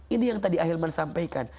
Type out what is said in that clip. ini yang tadi ahilman sampaikan